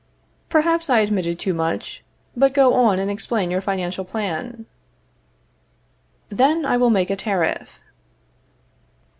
Perhaps I admitted too much; but go on and explain your financial plan. Then I will make a tariff.